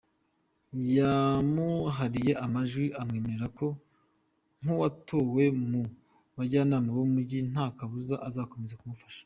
Yamuhariye amajwi amwemerera ko, nk’uwatowe mu bajyanama b’Umujyi, nta kabuza azakomeza kumufasha.